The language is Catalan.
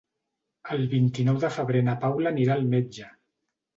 El vint-i-nou de febrer na Paula anirà al metge.